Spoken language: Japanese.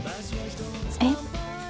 えっ？